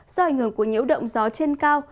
do ảnh hưởng của nhiễu động gió trên cao